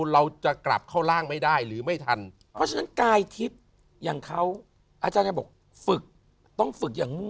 เรากลับไปหลง